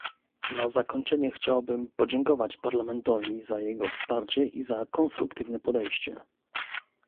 Na zakończenie chciałbym podziękować Parlamentowi za jego wsparcie i za konstruktywne podejście